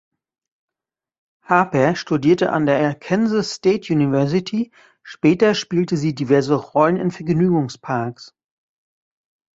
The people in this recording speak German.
Harper studierte an der Arkansas State University, später spielte sie diverse Rollen in Vergnügungsparks.